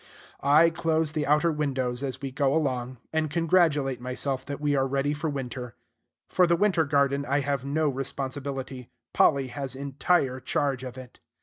I close the outer windows as we go along, and congratulate myself that we are ready for winter. For the winter garden I have no responsibility: Polly has entire charge of it.